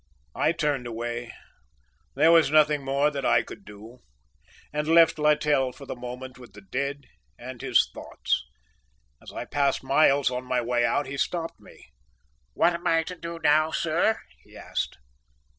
I turned away there was nothing more that I could do and left Littell for the moment with the dead and his thoughts. As I passed Miles on my way out he stopped me. "What am I to do now, sir?" he asked.